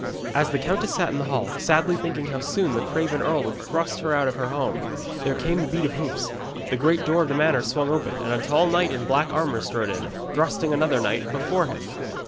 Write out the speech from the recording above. As the countess sat in hall, sadly thinking how soon the craven earl would thrust her out of her home, there came the beat of hoofs, the great door of the manor swung open, and a tall knight in black armour strode in, thrusting another knight before him.